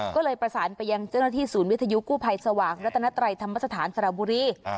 ก็เลยประสานไปยังเจ้าหน้าที่ศูนย์วิทยุกู้ภัยสว่างรัตนไตรธรรมสถานสระบุรี